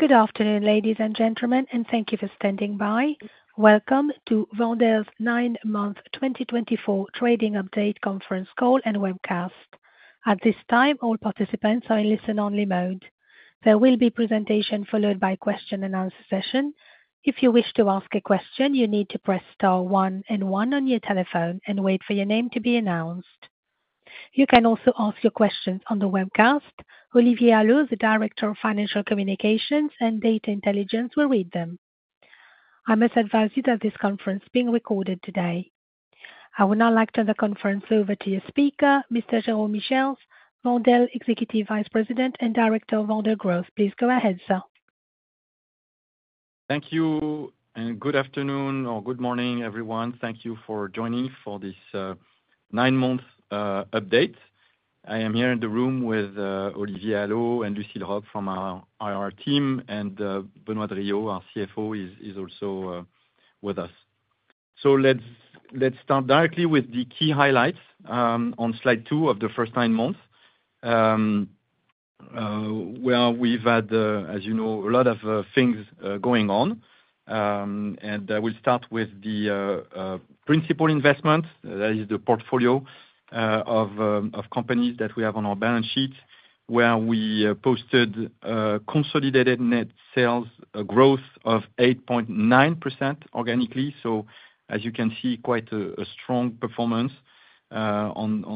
Good afternoon, ladies and gentlemen, and thank you for standing by. Welcome to Wendel's nine-month twenty twenty-four trading update conference call and webcast. At this time, all participants are in listen-only mode. There will be presentation followed by question and answer session. If you wish to ask a question, you need to press star one and one on your telephone and wait for your name to be announced. You can also ask your questions on the webcast. Olivier Allot, the Director of Financial Communications and Data Intelligence, will read them. I must advise you that this conference is being recorded today. I would now like to turn the conference over to your speaker, Mr.Jérôme Michiels Thank you, and good afternoon or good morning, everyone. Thank you for joining for this nine-month update. I am here in the room with Olivier Allot and Lucile Roch from our IR team, and Benoit Drillaud, our CFO, is also with us. So let's start directly with the key highlights on slide two of the first nine months. Well, we've had, as you know, a lot of things going on. And we'll start with the principal investment. That is the portfolio of companies that we have on our balance sheet, where we posted a consolidated net sales growth of 8.9% organically. So as you can see, quite a strong performance on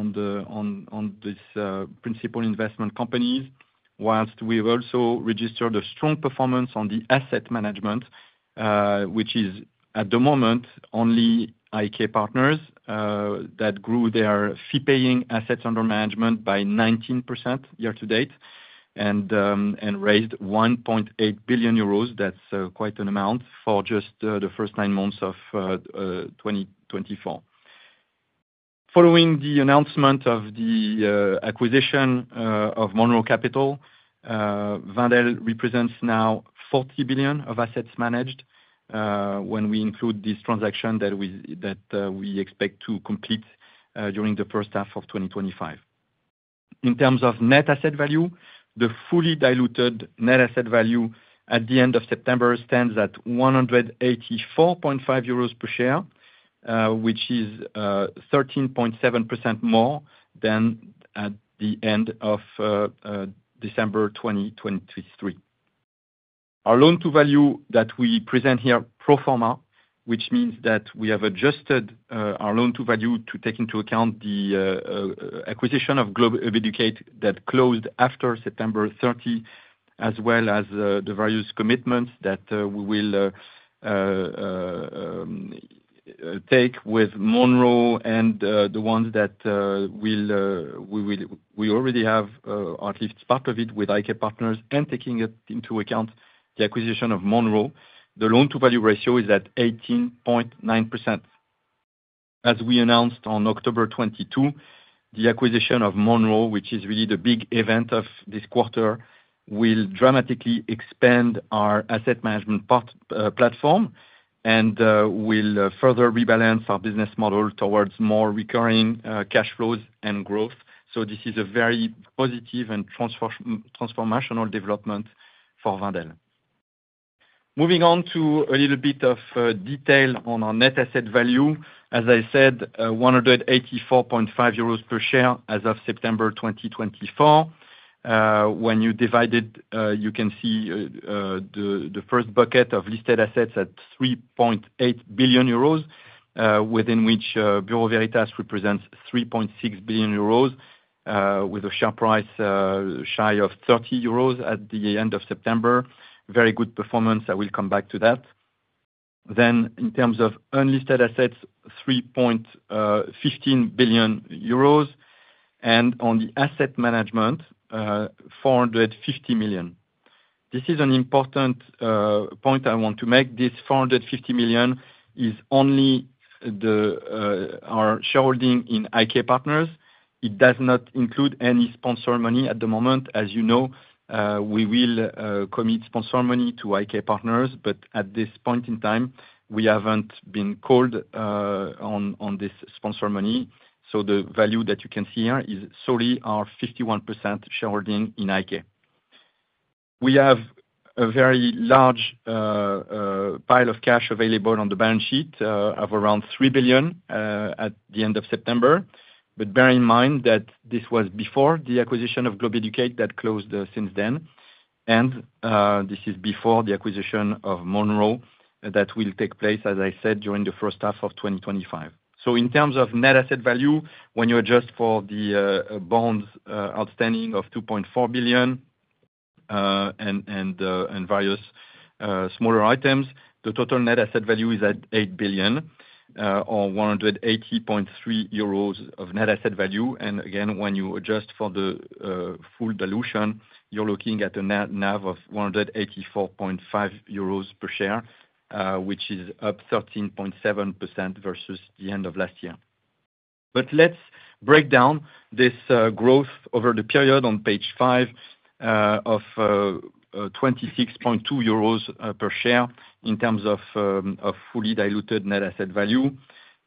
this principal investment companies. While we've also registered a strong performance on the asset management, which is, at the moment, only IK Partners, that grew their fee-paying assets under management by 19% year-to-date, and raised 1.8 billion euros. That's quite an amount for just the first nine months of 2024. Following the announcement of the acquisition of Monroe Capital, Wendel represents now 40 billion of assets managed, when we include this transaction that we expect to complete during the first half of 2025. In terms of net asset value, the fully diluted net asset value at the end of September stands at 184.5 euros per share, which is 13.7% more than at the end of December 2023. Our loan-to-value that we present here, pro forma, which means that we have adjusted our loan-to-value to take into account the acquisition of Globe Educate, that closed after September 30, as well as the various commitments that we will take with Monroe and the ones that we'll we already have, at least part of it, with IK Partners. And taking it into account, the acquisition of Monroe, the loan-to-value ratio is at 18.9%. As we announced on October 22, the acquisition of Monroe, which is really the big event of this quarter, will dramatically expand our asset management platform and will further rebalance our business model towards more recurring cash flows and growth. This is a very positive and transformational development for Wendel. Moving on to a little bit of detail on our net asset value. As I said, 184.5 euros per share as of September 2024. When you divide it, you can see the first bucket of listed assets at 3.8 billion euros, within which Bureau Veritas represents 3.6 billion euros, with a share price shy of 30 euros at the end of September. Very good performance. I will come back to that. In terms of unlisted assets, 3.15 billion euros, and on the asset management, 450 million. This is an important point I want to make. This 450 million is only our shareholding in IK Partners. It does not include any sponsor money at the moment. As you know, we will commit sponsor money to IK Partners, but at this point in time, we haven't been called on this sponsor money. So the value that you can see here is solely our 51% shareholding in IK. We have a very large pile of cash available on the balance sheet of around 3 billion at the end of September. But bear in mind that this was before the acquisition of Globe Educate that closed since then. And this is before the acquisition of Monroe, that will take place, as I said, during the first half of 2025. In terms of net asset value, when you adjust for the bonds outstanding of 2.4 billion and various smaller items, the total net asset value is at 8 billion or 180.3 euros of net asset value. Again, when you adjust for the full dilution, you're looking at a net NAV of 184.5 euros per share, which is up 13.7% versus the end of last year. Let's break down this growth over the period on page five of 26.2 euros per share in terms of fully diluted net asset value.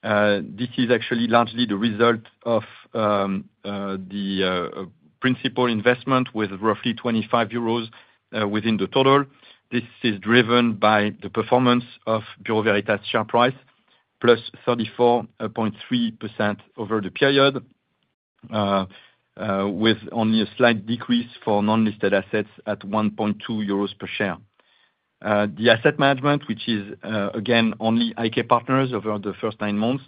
This is actually largely the result of the principal investment with roughly 25 euros within the total. This is driven by the performance of Bureau Veritas share price, plus 34.3% over the period. With only a slight decrease for non-listed assets at 1.2 euros per share. The asset management, which is, again, only IK Partners over the first nine months,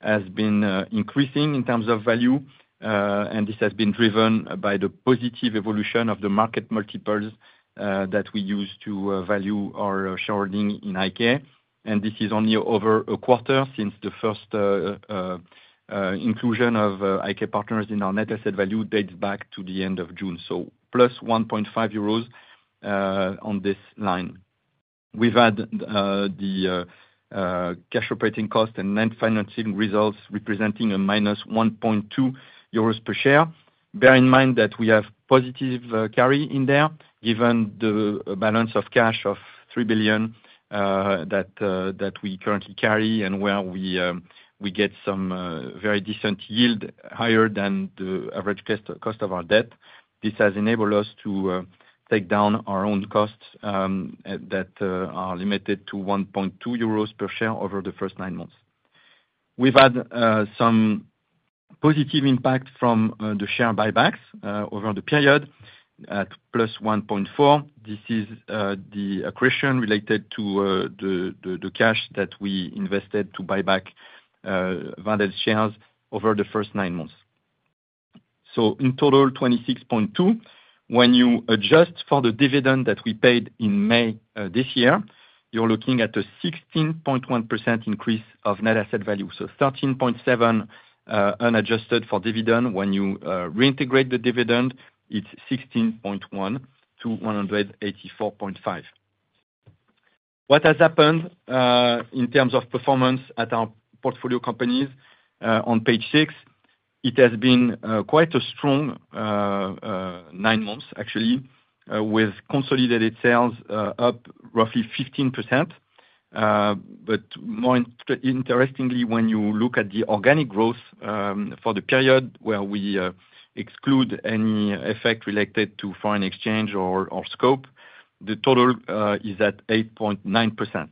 has been increasing in terms of value, and this has been driven by the positive evolution of the market multiples that we use to value our shareholding in IK. And this is only over a quarter, since the first inclusion of IK Partners in our net asset value dates back to the end of June, so plus 1.5 euros on this line. We've had the cash operating cost and net financing results representing a minus 1.2 euros per share. Bear in mind that we have positive carry in there, given the balance of cash of 3 billion EUR that we currently carry, and where we get some very decent yield, higher than the average cost of our debt. This has enabled us to take down our own costs that are limited to 1.2 euros per share over the first nine months. We've had some positive impact from the share buybacks over the period, at +1.4. This is the accretion related to the cash that we invested to buy back Wendel shares over the first nine months. So in total, 26.2. When you adjust for the dividend that we paid in May this year, you're looking at a 16.1% increase of net asset value. So 13.7, unadjusted for dividend, when you reintegrate the dividend, it's 16.1 to 184.5. What has happened in terms of performance at our portfolio companies on page six? It has been quite a strong nine months, actually, with consolidated sales up roughly 15%. But more interestingly, when you look at the organic growth for the period, where we exclude any effect related to foreign exchange or scope, the total is at 8.9%.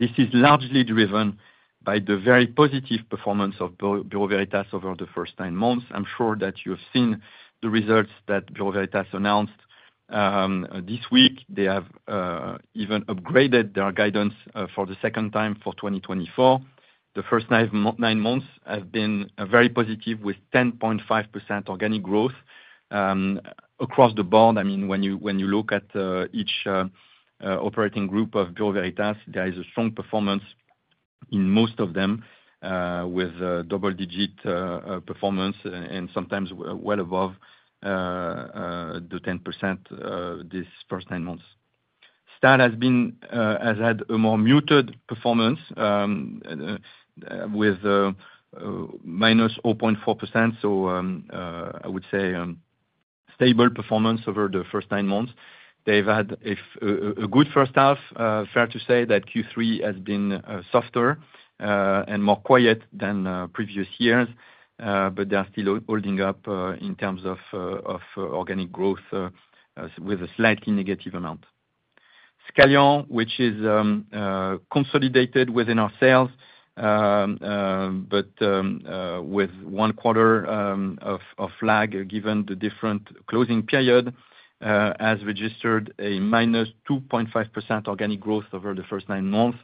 This is largely driven by the very positive performance of Bureau Veritas over the first nine months. I'm sure that you have seen the results that Bureau Veritas announced this week. They have even upgraded their guidance for the second time for 2024. The first nine months have been very positive with 10.5% organic growth across the board. I mean, when you look at each operating group of Bureau Veritas, there is a strong performance in most of them with double-digit performance, and sometimes well above the 10% this first nine months. Stahl has had a more muted performance with -0.4%, so I would say stable performance over the first nine months. They've had a good first half, fair to say that Q3 has been softer and more quiet than previous years, but they are still holding up in terms of organic growth with a slightly negative amount. Scalian, which is consolidated within our sales, but with one quarter of lag, given the different closing period, has registered a minus two point five percent organic growth over the first nine months.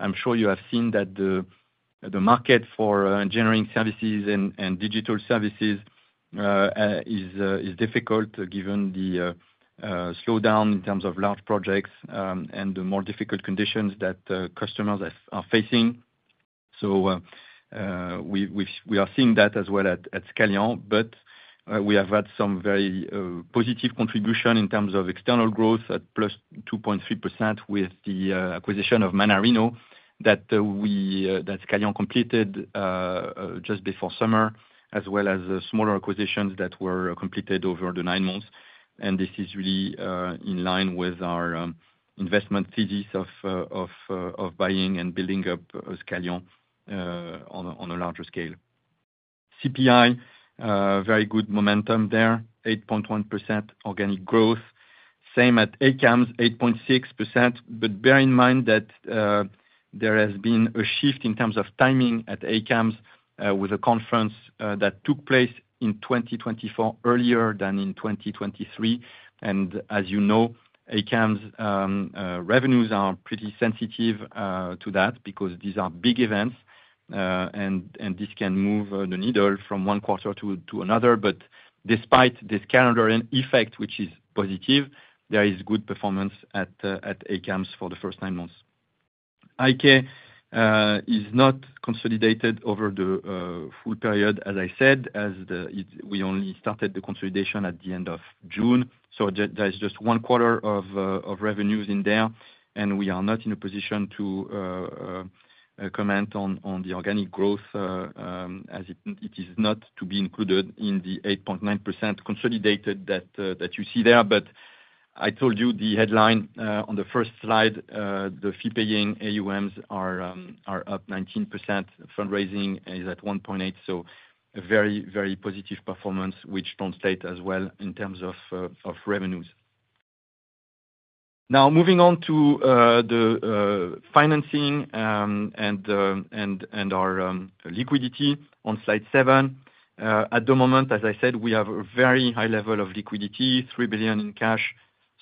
I'm sure you have seen that the market for engineering services and digital services is difficult, given the slowdown in terms of large projects and the more difficult conditions that customers are facing. So, we are seeing that as well at Scalian, but we have had some very positive contribution in terms of external growth at plus 2.3% with the acquisition of Mannarino that Scalian completed just before summer, as well as smaller acquisitions that were completed over the nine months. And this is really in line with our investment thesis of buying and building up Scalian on a larger scale. CPI very good momentum there, 8.1% organic growth. Same at ACAMS, 8.6%, but bear in mind that there has been a shift in terms of timing at ACAMS with a conference that took place in 2024, earlier than in 2023. As you know, ACAMS revenues are pretty sensitive to that, because these are big events, and this can move the needle from one quarter to another. But despite this calendar and effect, which is positive, there is good performance at ACAMS for the first nine months. IK is not consolidated over the full period, as I said, as we only started the consolidation at the end of June, so there is just one quarter of revenues in there, and we are not in a position to comment on the organic growth, as it is not to be included in the 8.9% consolidated that you see there. But... I told you the headline on the first slide, the fee-paying AUMs are up 19%, fundraising is at 1.8, so a very, very positive performance, which translates as well in terms of revenues. Now moving on to the financing and our liquidity on slide seven. At the moment, as I said, we have a very high level of liquidity, 3 billion in cash,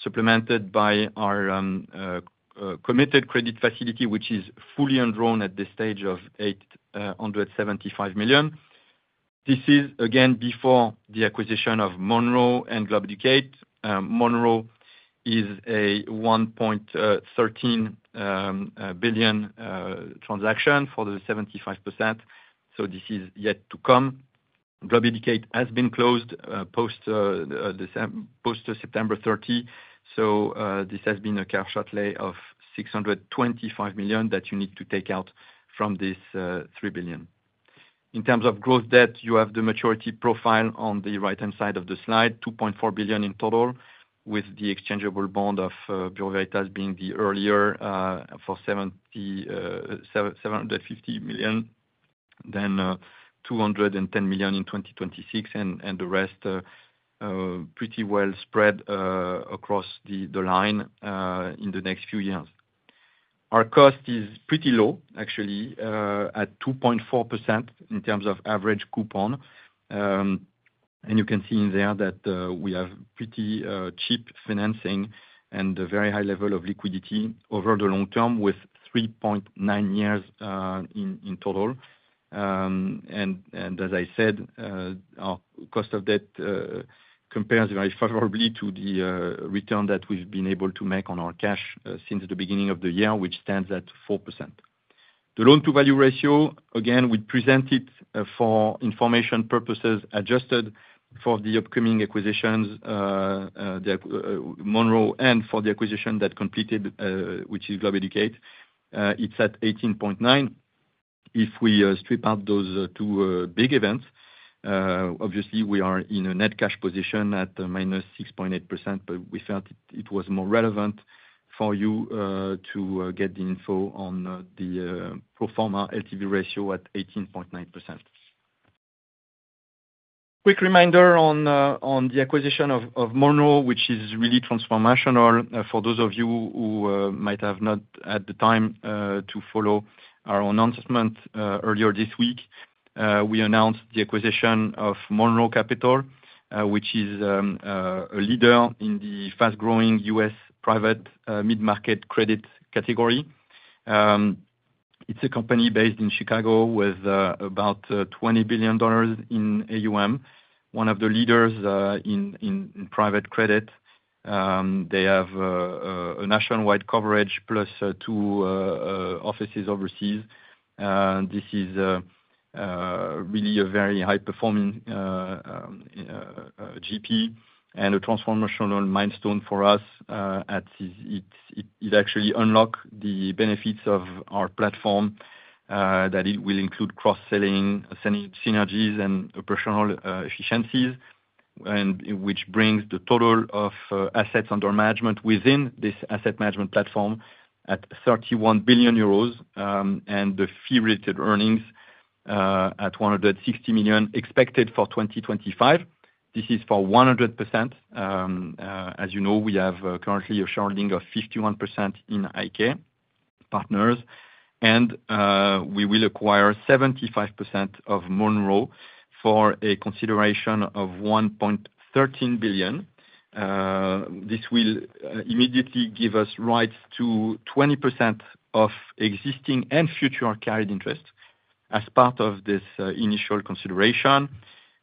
supplemented by our committed credit facility, which is fully undrawn at this stage of 875 million. This is again, before the acquisition of Monroe and Globe Educate. Monroe is a 1.13 billion transaction for the 75%, so this is yet to come. Globe Educate has been closed post to September 30. This has been a cash outlay of 625 million that you need to take out from this, three billion. In terms of gross debt, you have the maturity profile on the right-hand side of the slide, 2.4 billion in total, with the exchangeable bond of Bureau Veritas as being the earlier, for 750 million, then, two hundred and ten million in 2026, and the rest, pretty well spread, across the line, in the next few years. Our cost is pretty low, actually, at 2.4% in terms of average coupon. You can see in there that we have pretty cheap financing, and a very high level of liquidity over the long term with 3.9 years in total. As I said, our cost of debt compares very favorably to the return that we've been able to make on our cash since the beginning of the year, which stands at 4%. The loan-to-value ratio, again, we present it for information purposes, adjusted for the upcoming acquisitions, the Monroe, and for the acquisition that completed, which is Globe Educate. It's at 18.9%. If we strip out those two big events, obviously we are in a net cash position at -6.8%, but we felt it was more relevant for you to get the info on the pro forma LTV ratio at 18.9%. Quick reminder on the acquisition of Monroe, which is really transformational. For those of you who might have not had the time to follow our announcement earlier this week, we announced the acquisition of Monroe Capital, which is a leader in the fast-growing U.S. private mid-market credit category. It's a company based in Chicago with about $20 billion in AUM, one of the leaders in private credit. They have a nationwide coverage plus two offices overseas. And this is really a very high-performing GP, and a transformational milestone for us, as it actually unlock the benefits of our platform, that it will include cross-selling, synergies, and operational efficiencies, and which brings the total of assets under management within this asset management platform at 31 billion euros, and the fee-related earnings at 160 million expected for 2025. This is for 100%. As you know, we have currently a sharing of 51% in IK Partners, and we will acquire 75% of Monroe Capital for a consideration of 1.13 billion. This will immediately give us rights to 20% of existing and future carried interest as part of this initial consideration,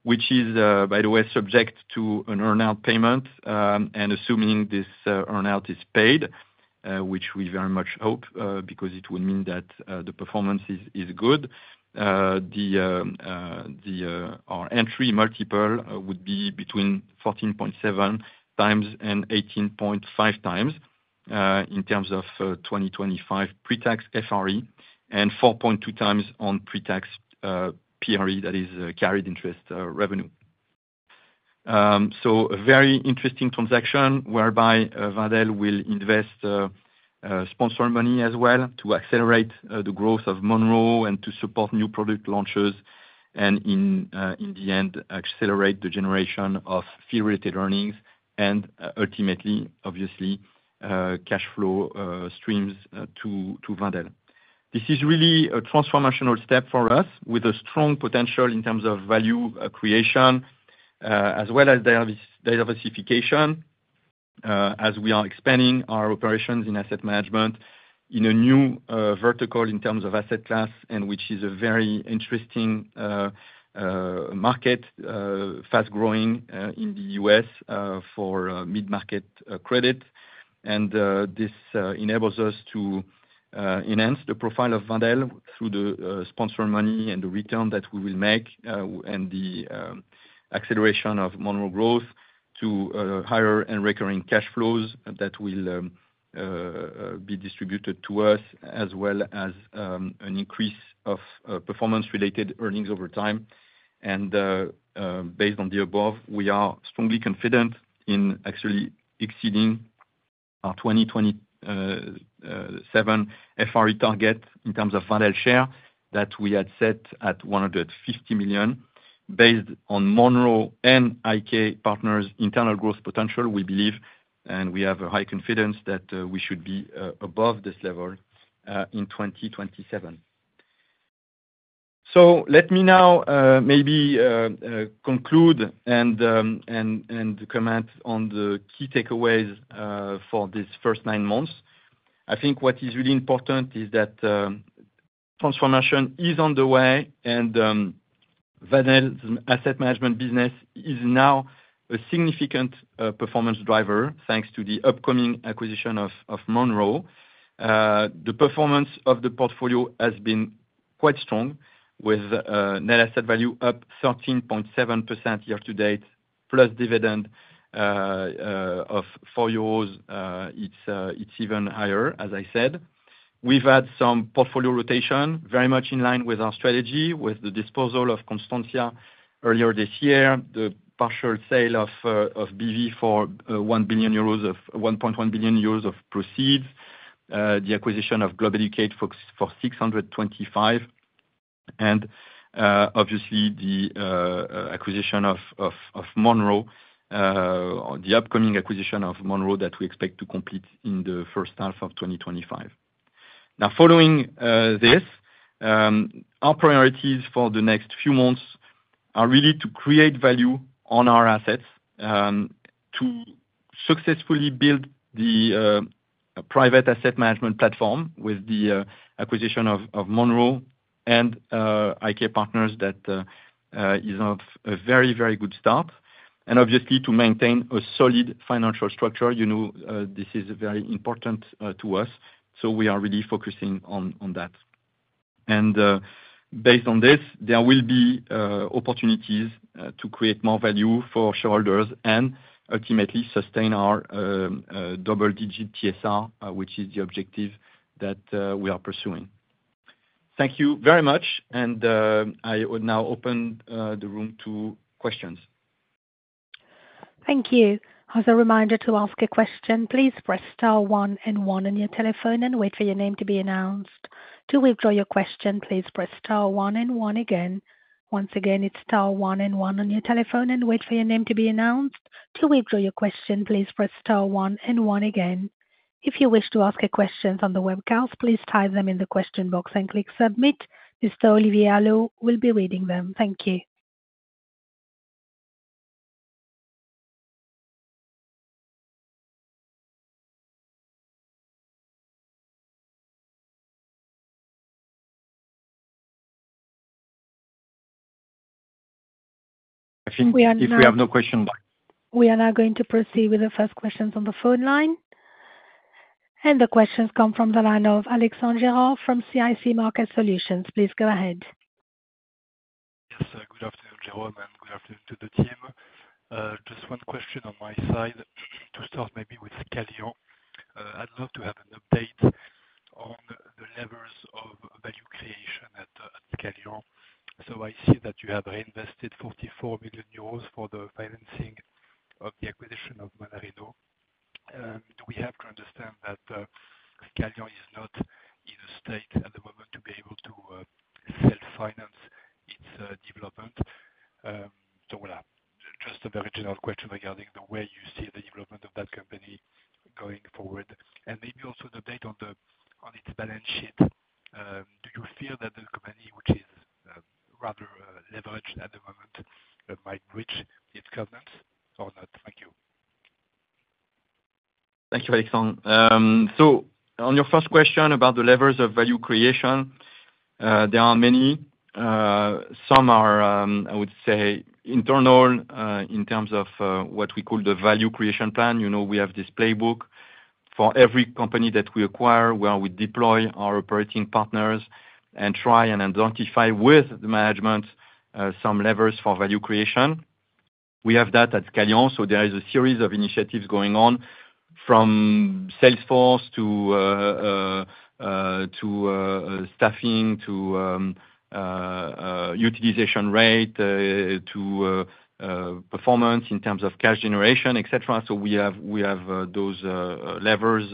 which is, by the way, subject to an earn-out payment, and assuming this earn-out is paid, which we very much hope, because it would mean that the performance is good. Our entry multiple would be between 14.7 times and 18.5 times, in terms of 2025 pre-tax FRE, and 4.2 times on pre-tax PRE, that is, carried interest revenue. A very interesting transaction whereby Wendel will invest sponsor money as well to accelerate the growth of Monroe and to support new product launches, and in the end accelerate the generation of fee-related earnings, and ultimately obviously cash flow streams to Wendel. This is really a transformational step for us with a strong potential in terms of value creation as well as diversification as we are expanding our operations in asset management in a new vertical in terms of asset class, and which is a very interesting market fast growing in the U.S. for mid-market credit. And this enables us to enhance the profile of Wendel through the sponsor money, and the return that we will make, and the acceleration of Monroe growth to higher and recurring cash flows that will be distributed to us, as well as an increase of performance-related earnings over time. And based on the above, we are strongly confident in actually exceeding our 2027 FRE target in terms of Wendel share, that we had set at 150 million, based on Monroe and IK Partners internal growth potential, we believe, and we have a high confidence that we should be above this level in 2027. So let me now maybe conclude and comment on the key takeaways for these first nine months. I think what is really important is that transformation is on the way, and Wendel's asset management business is now a significant performance driver, thanks to the upcoming acquisition of Monroe. The performance of the portfolio has been quite strong, with net asset value up 13.7% year to date, plus dividend of 4 euros. It's even higher, as I said. We've had some portfolio rotation, very much in line with our strategy, with the disposal of Constantia earlier this year, the partial sale of BV for 1 billion euros of one point one billion euros of proceeds. The acquisition of Globe Educate for 625, and obviously the acquisition of Monroe, the upcoming acquisition of Monroe, that we expect to complete in the first half of 2025. Now following this, our priorities for the next few months are really to create value on our assets, to successfully build the private asset management platform with the acquisition of Monroe and IK Partners that is of a very good start, and obviously to maintain a solid financial structure. You know, this is very important to us, so we are really focusing on that. Based on this, there will be opportunities to create more value for shareholders and ultimately sustain our double-digit TSR, which is the objective that we are pursuing. Thank you very much. I would now open the floor to questions. Thank you. As a reminder, to ask a question, please press star one and one on your telephone and wait for your name to be announced. To withdraw your question, please press star one and one again. Once again, it's star one and one on your telephone and wait for your name to be announced. To withdraw your question, please press star one and one again. If you wish to ask a question on the webcast, please type them in the question box and click submit. Mr. Olivier Allot will be reading them. Thank you. We are now— If we have no question- We are now going to proceed with the first questions on the phone line. The questions come from the line of Alexandre Gérard from CIC Market Solutions. Please go ahead. Yes, good afternoon, Jérôme, and good afternoon to the team. Just one question on my side, to start maybe with Scalian. I'd love to have an update on the levels of value creation at Scalian. So I see that you have reinvested 44 million euros for the financing of the acquisition of Mannarino. Do we have to understand that Scalian is not in a state at the moment to be able to self-finance its development? So well, just a very general question regarding the way you see the development of that company going forward, and maybe also the debt on its balance sheet. Do you feel that the company, which is rather leveraged at the moment, might breach its covenants or not? Thank you. Thank you, Alexandre. So on your first question about the levers of value creation, there are many. Some are, I would say, internal, in terms of what we call the value creation plan. You know, we have this playbook for every company that we acquire, where we deploy our operating partners and try and identify with the management some levers for value creation. We have that at Scalian, so there is a series of initiatives going on, from sales force to staffing, to utilization rate, to performance in terms of cash generation, et cetera. So we have those levers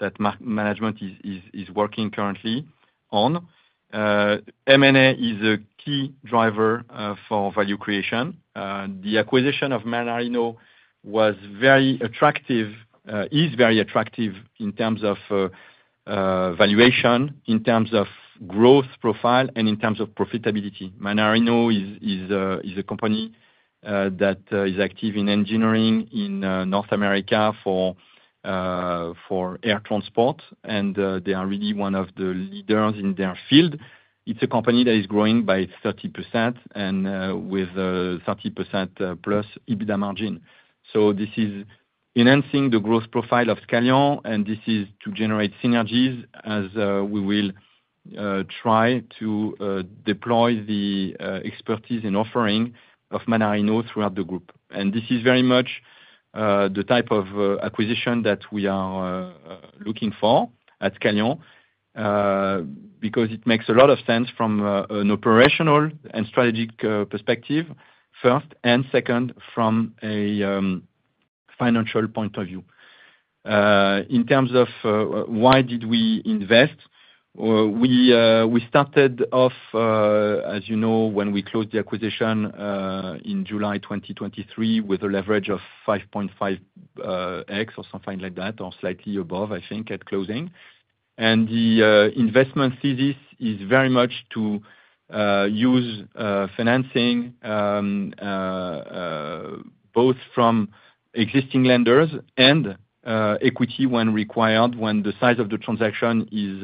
that management is working currently on. M&A is a key driver for value creation. The acquisition of Mannarino was very attractive, is very attractive in terms of, valuation, in terms of growth profile, and in terms of profitability. Mannarino is a company that is active in engineering in North America for air transport, and they are really one of the leaders in their field. It's a company that is growing by 30% and with 30% plus EBITDA margin. So this is enhancing the growth profile of Scalian, and this is to generate synergies as we will try to deploy the expertise and offering of Mannarino throughout the group. And this is very much the type of acquisition that we are... Looking for at Scalian, because it makes a lot of sense from an operational and strategic perspective first, and second, from a financial point of view. In terms of why did we invest, we started off, as you know, when we closed the acquisition in July 2023, with a leverage of 5.5x or something like that, or slightly above, I think, at closing. And the investment thesis is very much to use financing both from existing lenders and equity when required, when the size of the transaction is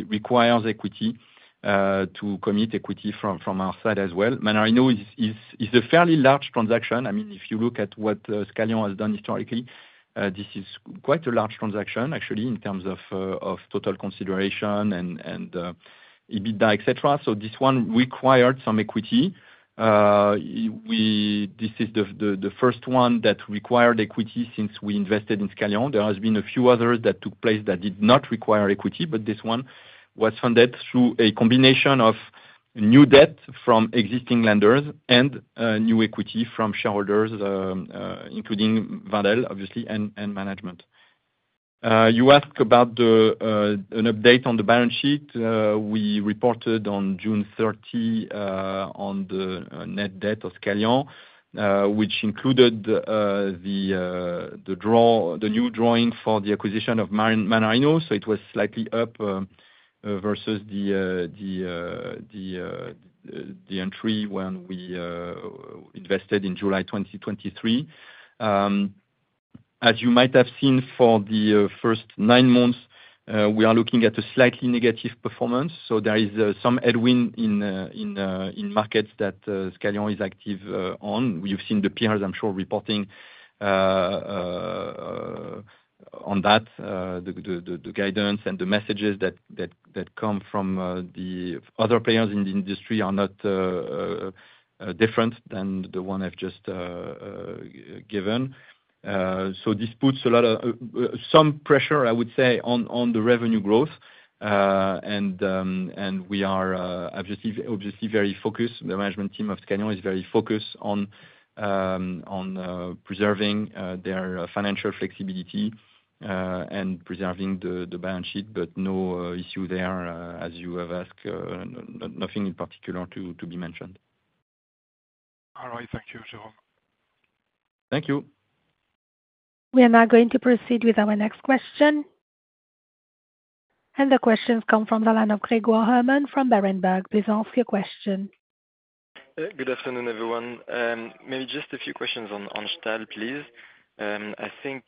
it requires equity to commit equity from our side as well. Mannarino is a fairly large transaction. I mean, if you look at what Scalian has done historically, this is quite a large transaction actually in terms of of total consideration and EBITDA, et cetera. So this one required some equity. This is the first one that required equity since we invested in Scalian. There has been a few others that took place that did not require equity, but this one was funded through a combination of new debt from existing lenders and new equity from shareholders, including Wendel, obviously, and management. You ask about an update on the balance sheet. We reported on June 30 on the net debt of Scalian, which included the new drawing for the acquisition of Mannarino. It was slightly up versus the entry when we invested in July 2023. As you might have seen for the first nine months, we are looking at a slightly negative performance, so there is some headwind in markets that Scalian is active on. You've seen the peers, I'm sure, reporting on that. The guidance and the messages that come from the other players in the industry are not different than the one I've just given. This puts some pressure, I would say, on the revenue growth. We are obviously very focused, the management team of Scalian is very focused on preserving their financial flexibility and preserving the balance sheet, but no issue there, as you have asked, nothing in particular to be mentioned. All right. Thank you, Jerome. Thank you. We are now going to proceed with our next question. And the question come from the line of Grégoire Hermann from Berenberg. Please ask your question. Good afternoon, everyone. Maybe just a few questions on Stahl, please. I think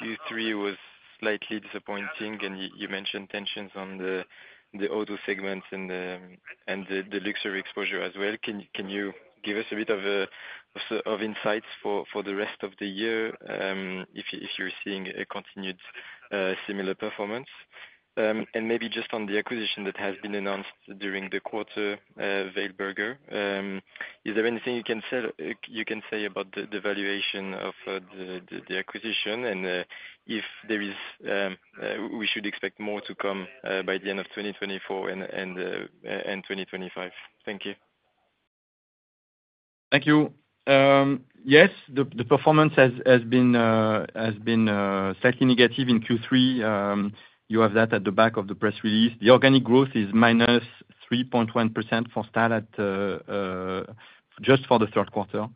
Q3 was slightly disappointing, and you mentioned tensions on the auto segments and the luxury exposure as well. Can you give us a bit of insights for the rest of the year, if you're seeing a continued similar performance? And maybe just on the acquisition that has been announced during the quarter, Weilburger, is there anything you can say about the valuation of the acquisition? And if there is, we should expect more to come by the end of 2024 and 2025. Thank you. Thank you. Yes, the performance has been slightly negative in Q3. You have that at the back of the press release. The organic growth is minus 3.1% for Stahl just for the third quarter.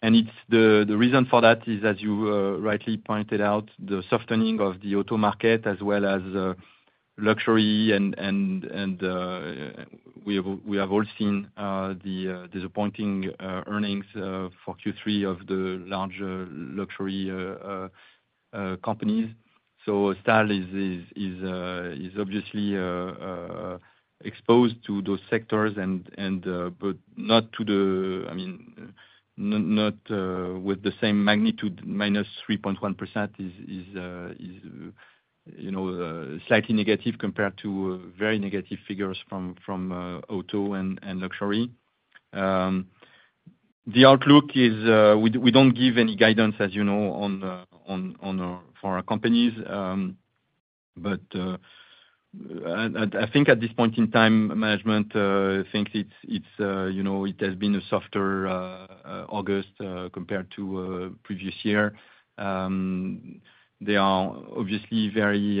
And it's the reason for that is, as you rightly pointed out, the softening of the auto market, as well as luxury and we have all seen the disappointing earnings for Q3 of the larger luxury companies. So Stahl is obviously exposed to those sectors and but not to the... I mean, not with the same magnitude, minus 3.1% is, you know, slightly negative compared to very negative figures from auto and luxury. The outlook is we don't give any guidance, as you know, on for our companies, but I think at this point in time, management thinks it's, you know, it has been a softer August compared to previous year. They are obviously very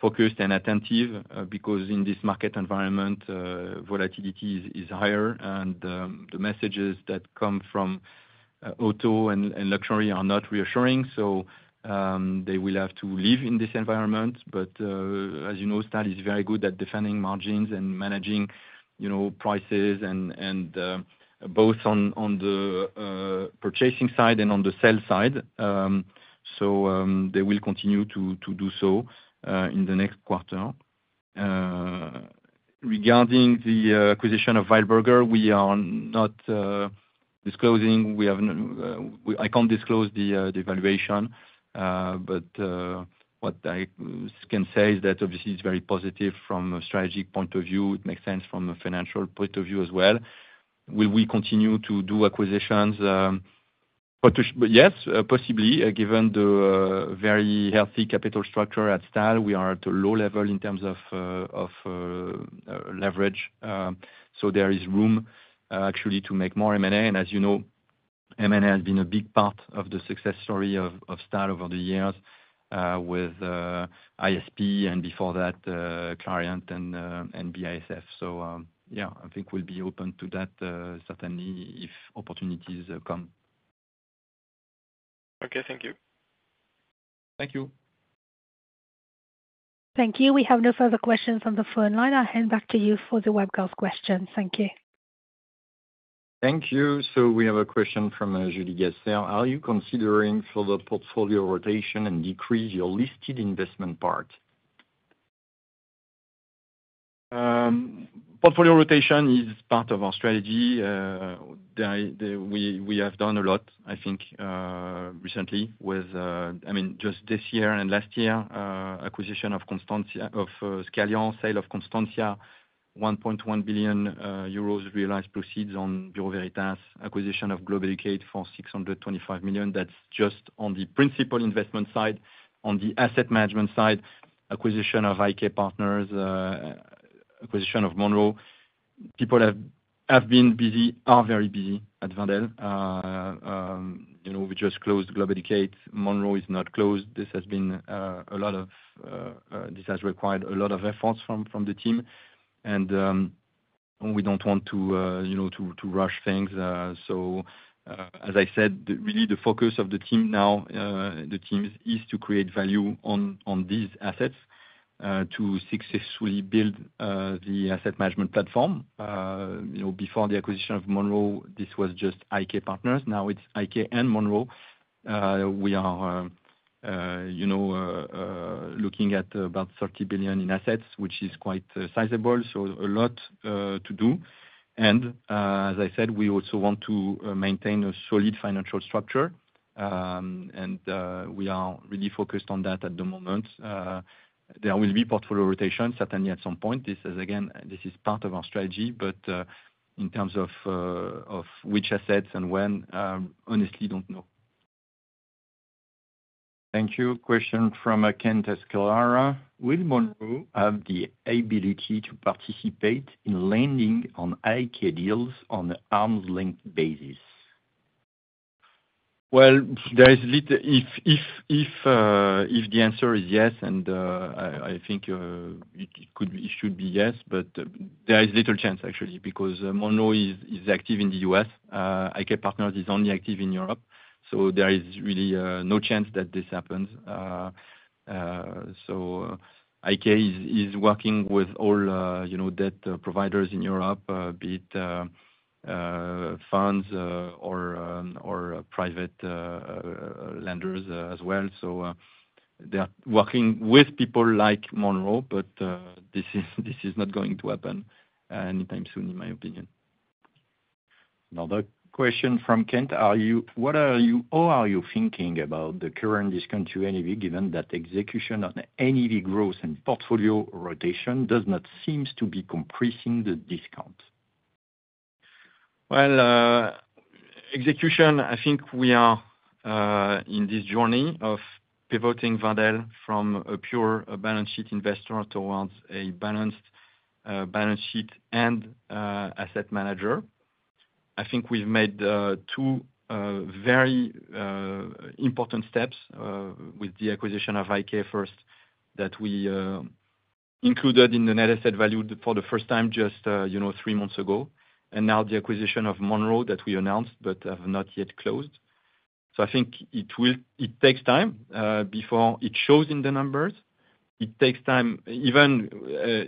focused and attentive because in this market environment volatility is higher and the messages that come from auto and luxury are not reassuring, so they will have to live in this environment, but as you know, Stahl is very good at defending margins and managing, you know, prices and both on the purchasing side and on the sell side, so they will continue to do so in the next quarter. Regarding the acquisition of Weilburger, we are not disclosing. I can't disclose the valuation. But what I can say is that obviously it's very positive from a strategic point of view. It makes sense from a financial point of view as well. Will we continue to do acquisitions? But yes, possibly, given the very healthy capital structure at Stahl, we are at a low level in terms of leverage. So there is room, actually to make more M&A. And as you know, M&A has been a big part of the success story of Stahl over the years, with ISP and before that, Clariant and BASF. So, yeah, I think we'll be open to that, certainly if opportunities come. Okay, thank you. Thank you. Thank you. We have no further questions on the phone line. I'll hand back to you for the webcast questions. Thank you. Thank you. So we have a question from Julie Gasser. Are you considering further portfolio rotation and decrease your listed investment part? Portfolio rotation is part of our strategy. The, we have done a lot, I think, recently with, I mean, just this year and last year, acquisition of Constantia, of, Scalian, sale of Constantia, 1.1 billion euros realized proceeds on Bureau Veritas. Acquisition of Globe Educate for 625 million, that's just on the principal investment side. On the asset management side, acquisition of IK Partners, acquisition of Monroe. People have been busy, are very busy at Wendel. You know, we just closed Globe Educate. Monroe is not closed. This has been a lot of, this has required a lot of efforts from the team, and we don't want to, you know, to rush things. So, as I said, really the focus of the teams is to create value on these assets, to successfully build the asset management platform. You know, before the acquisition of Monroe, this was just IK Partners, now it's IK and Monroe. We are, you know, looking at about 30 billion in assets, which is quite sizable, so a lot to do. As I said, we also want to maintain a solid financial structure, and we are really focused on that at the moment. There will be portfolio rotation, certainly at some point. This is again part of our strategy, but in terms of which assets and when, honestly don't know. Thank you. Question from Kent Escallera. Will Monroe have the ability to participate in lending on IK deals on an arm's length basis? Well, there is little... If the answer is yes, and I think it could, it should be yes, but there is little chance actually, because Monroe is active in the U.S., IK Partners is only active in Europe, so there is really no chance that this happens. So IK is working with all you know, debt providers in Europe, be it funds or private lenders as well. So they are working with people like Monroe, but this is not going to happen anytime soon, in my opinion. Another question from Kent: What are you thinking about the current discount to NAV, given that execution on the NAV growth and portfolio rotation does not seem to be compressing the discount? Well, execution, I think we are in this journey of pivoting Wendel from a pure balance sheet investor towards a balanced balance sheet and asset manager. I think we've made two very important steps with the acquisition of IK first that we included in the net asset value for the first time, just, you know, three months ago, and now the acquisition of Monroe that we announced, but have not yet closed, so I think it takes time before it shows in the numbers. It takes time even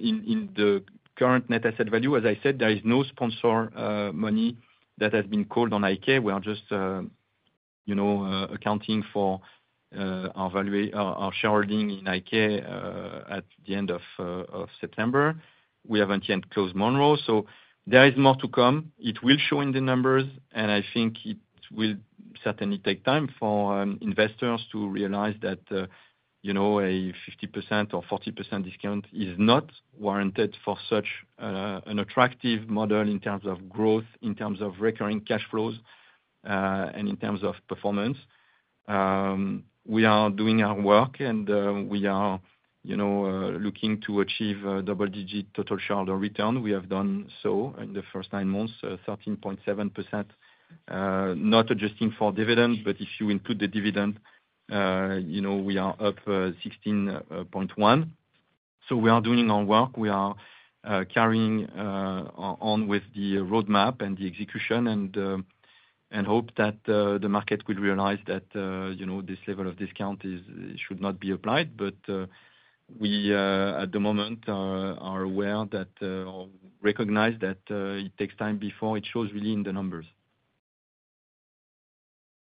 in the current net asset value, as I said. There is no sponsor money that has been called on IK. We are just, you know, accounting for our value, our shareholding in IK at the end of September. We haven't yet closed Monroe, so there is more to come. It will show in the numbers, and I think it will certainly take time for investors to realize that, you know, a 50% or 40% discount is not warranted for such an attractive model in terms of growth, in terms of recurring cash flows, and in terms of performance. We are doing our work and we are, you know, looking to achieve a double digit total shareholder return. We have done so in the first nine months, 13.7%, not adjusting for dividends, but if you include the dividend, you know, we are up 16.1. So we are doing our work. We are carrying on with the roadmap and the execution and hope that the market will realize that you know this level of discount is should not be applied. But we at the moment are aware that or recognize that it takes time before it shows really in the numbers.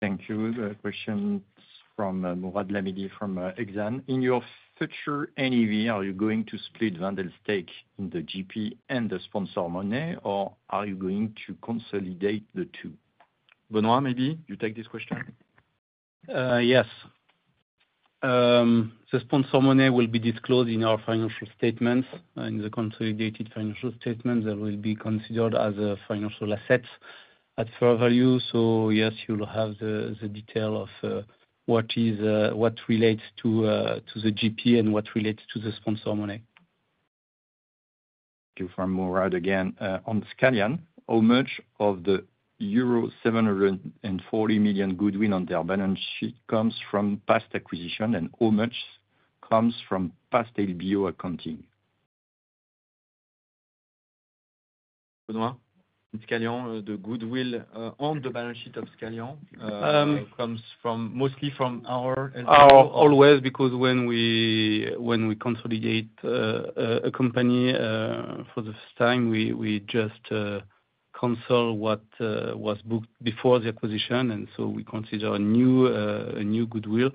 Thank you. The question is from Mourad Lahmidi, from Exane. In your future NAV, are you going to split Wendel's stake in the GP and the sponsor money, or are you going to consolidate the two? Benoit, maybe you take this question? Yes. the sponsor money will be disclosed in our financial statements, in the consolidated financial statements, that will be considered as a financial asset at fair value. So yes, you'll have the detail of what relates to the GP and what relates to the sponsor money. From Mourad again. On Scalian, how much of the euro 740 million goodwill on their balance sheet comes from past acquisition, and how much comes from past LBO accounting? Scalian, the goodwill on the balance sheet of Scalian comes from, mostly from our acquisitions always, because when we consolidate a company for the first time, we just consolidate what was booked before the acquisition, and so we consider a new goodwill.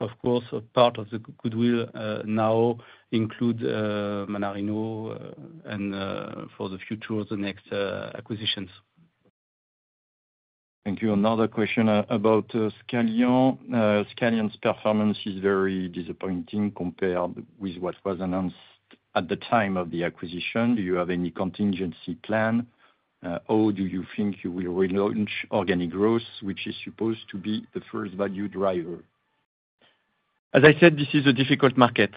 Of course, a part of the goodwill now includes Mannarino and, for the future, the next acquisitions. Thank you. Another question about Scalian. Scalian's performance is very disappointing compared with what was announced at the time of the acquisition. Do you have any contingency plan, or do you think you will relaunch organic growth, which is supposed to be the first value driver? As I said, this is a difficult market.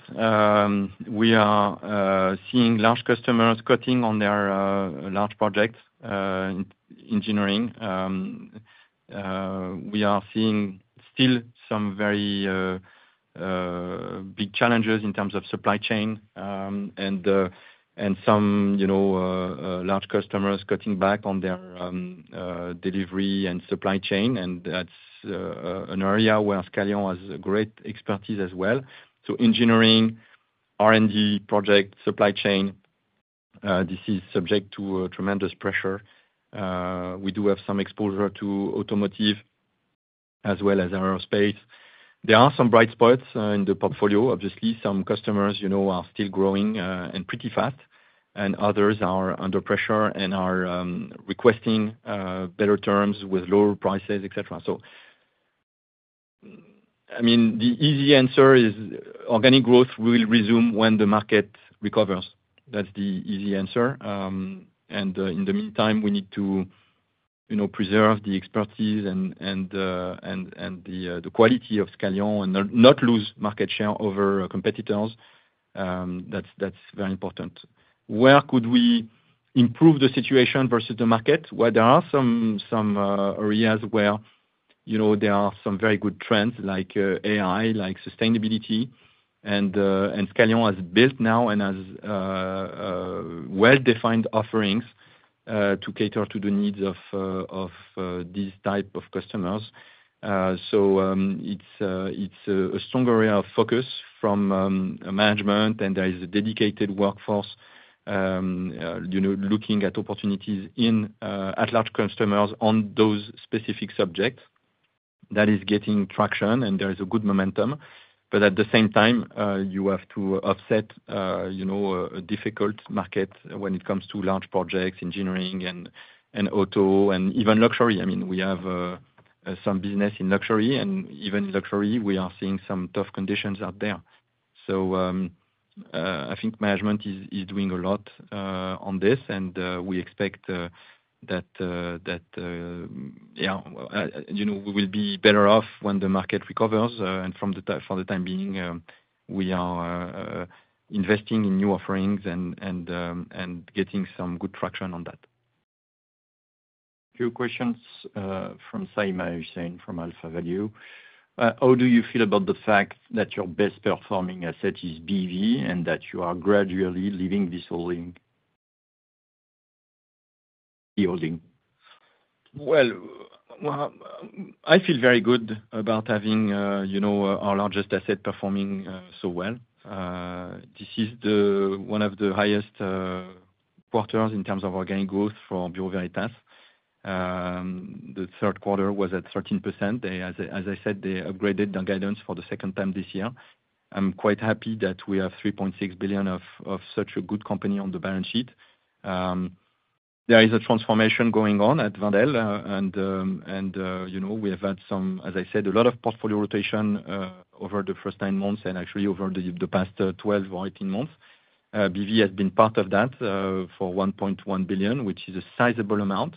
We are seeing large customers cutting on their large projects in engineering. We are seeing still some very big challenges in terms of supply chain, and some, you know, large customers cutting back on their delivery and supply chain, and that's an area where Scalian has a great expertise as well. So engineering, R&D project, supply chain, this is subject to a tremendous pressure. We do have some exposure to automotive as well as aerospace. There are some bright spots in the portfolio. Obviously, some customers, you know, are still growing and pretty fast, and others are under pressure and are requesting better terms with lower prices, et cetera. So, I mean, the easy answer is organic growth will resume when the market recovers. That's the easy answer. And in the meantime, we need to, you know, preserve the expertise and the quality of Scalian and not lose market share over competitors. That's very important. Where could we improve the situation versus the market? Well, there are some areas where, you know, there are some very good trends, like AI, like sustainability, and Scalian has built now and has well-defined offerings to cater to the needs of these type of customers. So, it's a strong area of focus from management, and there is a dedicated workforce, you know, looking at opportunities in at large customers on those specific subjects. That is getting traction, and there is a good momentum, but at the same time, you have to offset, you know, a difficult market when it comes to large projects, engineering, and auto, and even luxury. I mean, we have some business in luxury, and even luxury, we are seeing some tough conditions out there. I think management is doing a lot on this, and we expect that yeah, you know, we will be better off when the market recovers, and for the time being, we are investing in new offerings and getting some good traction on that. Few questions from Saima Hussain from AlphaValue. How do you feel about the fact that your best performing asset is BV, and that you are gradually leaving this holding? Well, well, I feel very good about having, you know, our largest asset performing so well. This is one of the highest quarters in terms of organic growth for Bureau Veritas. The third quarter was at 13%. They, as I said, they upgraded the guidance for the second time this year. I'm quite happy that we have 3.6 billion of such a good company on the balance sheet. There is a transformation going on at Wendel, and, you know, we have had some, as I said, a lot of portfolio rotation over the first 10 months, and actually over the past 12 or 18 months. BV has been part of that for 1.1 billion, which is a sizable amount.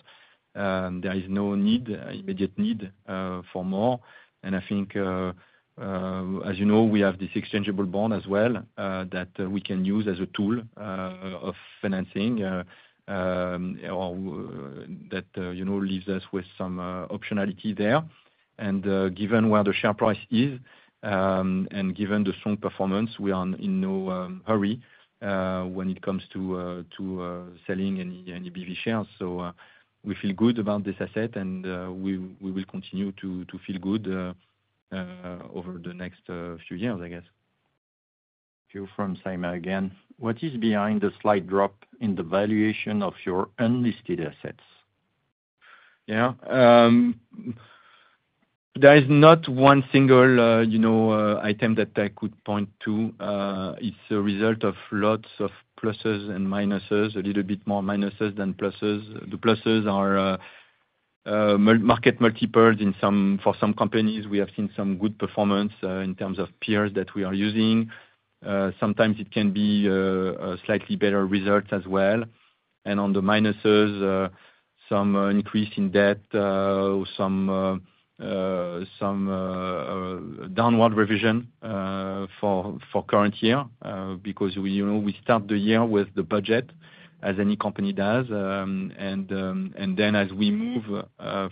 There is no immediate need for more, and I think, as you know, we have this exchangeable bond as well, that we can use as a tool of financing, or that, you know, leaves us with some optionality there. And, given where the share price is, and given the strong performance, we are in no hurry when it comes to selling any BV shares. So, we feel good about this asset, and we will continue to feel good over the next few years, I guess. Q from Saima again. What is behind the slight drop in the valuation of your unlisted assets? Yeah. There is not one single, you know, item that I could point to. It's a result of lots of pluses and minuses, a little bit more minuses than pluses. The pluses are, market multiples in some, for some companies, we have seen some good performance, in terms of peers that we are using. Sometimes it can be, a slightly better results as well. And on the minuses, some increase in debt, some downward revision, for current year. Because we, you know, we start the year with the budget, as any company does. And then as we move,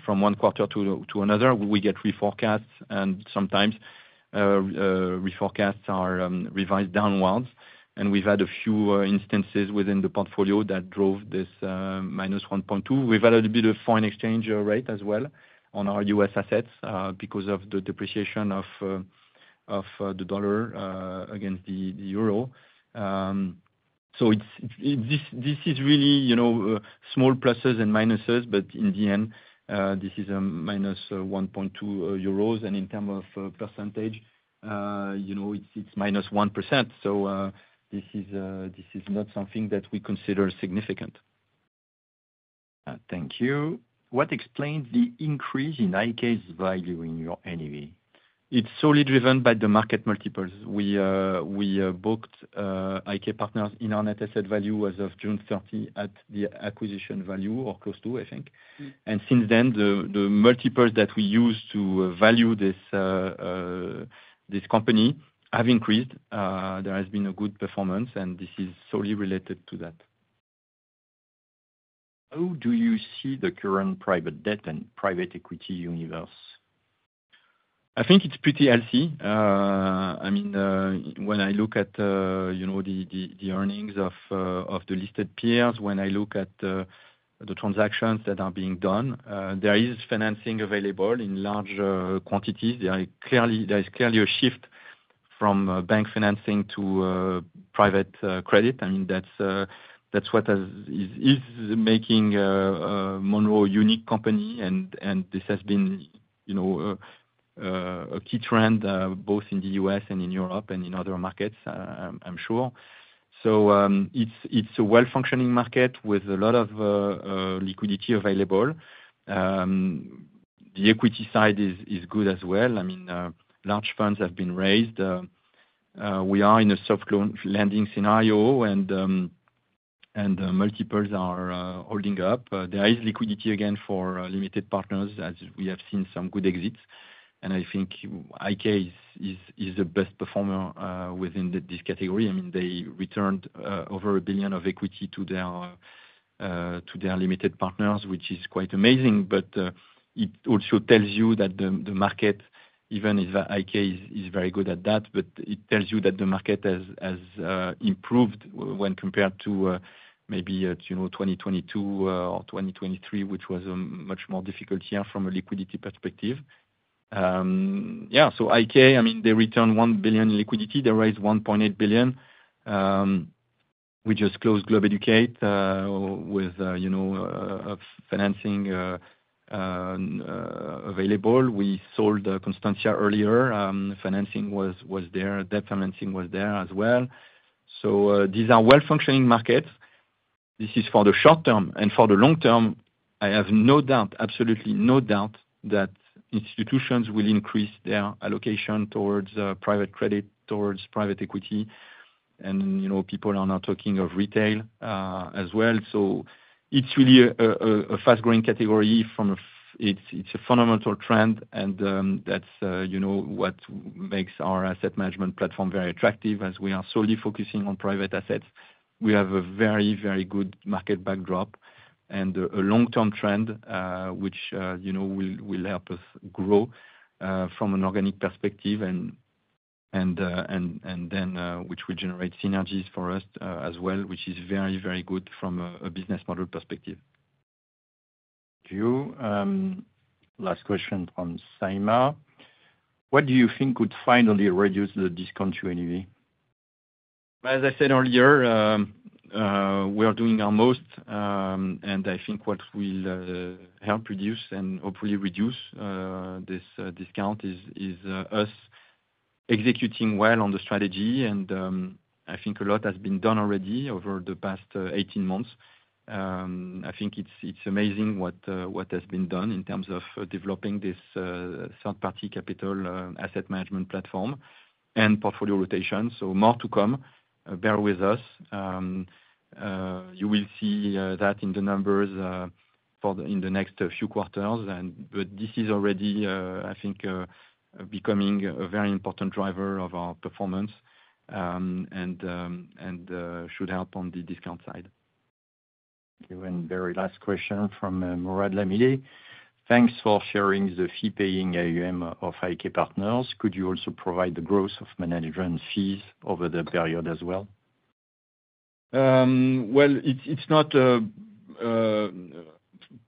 from one quarter to another, we get reforecasts, and sometimes reforecasts are revised downwards. And we've had a few instances within the portfolio that drove this minus 1.2. We've had a bit of foreign exchange rate as well on our U.S. assets because of the depreciation of the dollar against the euro. So this is really you know small pluses and minuses, but in the end this is minus 1.2 euros. And in terms of percentage you know it's minus 1%. So this is not something that we consider significant. Thank you. What explains the increase in IK's value in your NAV? It's solely driven by the market multiples. We booked IK Partners in our net asset value as of June thirty, at the acquisition value, or close to, I think, and since then, the multiples that we use to value this company have increased. There has been a good performance, and this is solely related to that. How do you see the current private debt and private equity universe? I think it's pretty healthy. I mean, when I look at, you know, the earnings of the listed peers, when I look at the transactions that are being done, there is financing available in large quantities. There is clearly a shift from bank financing to private credit. I mean, that's what is making Monroe a unique company. And this has been, you know, a key trend both in the U.S. and in Europe, and in other markets, I'm sure. So, it's a well-functioning market with a lot of liquidity available. The equity side is good as well. I mean, large funds have been raised. We are in a soft loan lending scenario, and multiples are holding up. There is liquidity again for limited partners as we have seen some good exits. And I think IK is the best performer within this category. I mean, they returned over 1 billion of equity to their limited partners, which is quite amazing. But it also tells you that the market, even if IK is very good at that, but it tells you that the market has improved when compared to maybe at, you know, 2022 or 2023, which was a much more difficult year from a liquidity perspective. Yeah, so IK, I mean, they returned 1 billion in liquidity. They raised 1.8 billion. We just closed Globe Educate, with, you know, financing available. We sold Constantia earlier, financing was there, debt financing was there as well. So, these are well-functioning markets. This is for the short term, and for the long term, I have no doubt, absolutely no doubt, that institutions will increase their allocation towards private credit, towards private equity. And, you know, people are now talking of retail as well. So it's really a fast-growing category from a f- it's a fundamental trend, and, that's, you know, what makes our asset management platform very attractive, as we are solely focusing on private assets. We have a very, very good market backdrop, and a long-term trend, which, you know, will help us grow from an organic perspective, and then which will generate synergies for us as well, which is very, very good from a business model perspective. Thank you. Last question from Saima: What do you think could finally reduce the discount to NAV? As I said earlier, we are doing our most, and I think what will help reduce and hopefully reduce this discount is us executing well on the strategy. I think a lot has been done already over the past eighteen months. I think it's amazing what has been done in terms of developing this third-party capital asset management platform and portfolio rotation so more to come, bear with us. You will see that in the numbers in the next few quarters, but this is already, I think, becoming a very important driver of our performance and should help on the discount side. Thank you. And very last question from Mourad Lahmidi. Thanks for sharing the fee-paying AUM of IK Partners. Could you also provide the growth of management fees over the period as well? It's not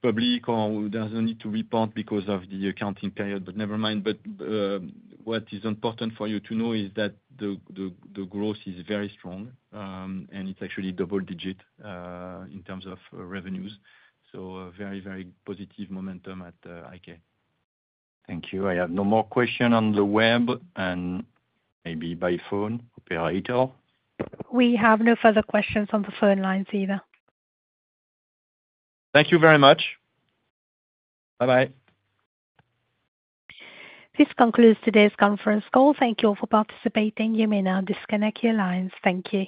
public or there's no need to report because of the accounting period, but never mind, but what is important for you to know is that the growth is very strong, and it's actually double-digit in terms of revenues, so very, very positive momentum at IK. Thank you. I have no more question on the web, and maybe by phone. Operator? We have no further questions on the phone lines either. Thank you very much. Bye-bye. This concludes today's conference call. Thank you all for participating. You may now disconnect your lines. Thank you.